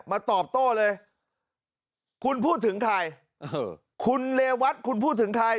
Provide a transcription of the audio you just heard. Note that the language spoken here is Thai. ตอบโต้เลยคุณพูดถึงใครคุณเรวัตคุณพูดถึงใคร